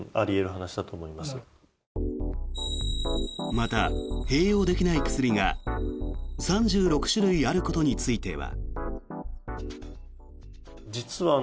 また、併用できない薬が３６種類あることについては。